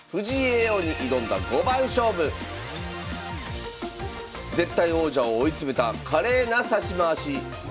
王に挑んだ五番勝負絶対王者を追い詰めた華麗な指し回し。